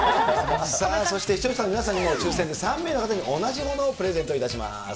そして視聴者の皆さんにも抽せんで３名の方に同じものをプレゼントいたします。